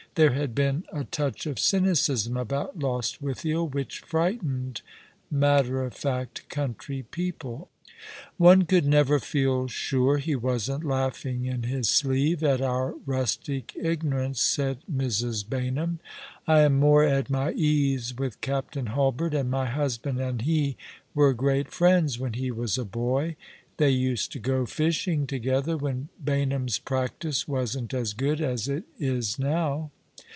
There had been a touch of cynicism about Lostwithiel which frightened matter of fact country people. i6o All along the River. ''One could never feel sure lie wasn't laughing in his sleeve at our rustic ignorance," said Mrs. Baynham. " I am more at my ease with Captain Hulbert, and my husband and he were great friends when he was a boy. They used to go fishing together, when Baynham's practice wasn't as good as it is now."